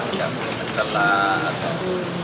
kita boleh menjelaskan